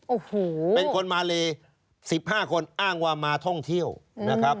โอ้โหเป็นคนมาเล๑๕คนอ้างว่ามาท่องเที่ยวนะครับ